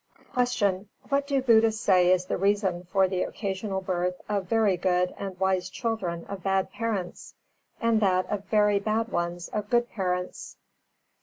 333. Q. _What do Buddhists say is the reason for the occasional birth of very good and wise children of bad parents, and that of very bad ones of good parents?